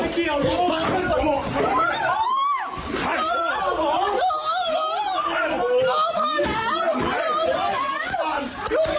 ต้องมันทำลาย